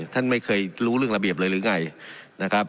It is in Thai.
ท่านไม่เคยรู้เรื่องระเบียบเลยหรือไงนะครับ